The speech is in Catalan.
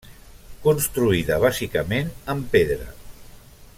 Construïda bàsicament amb pedra.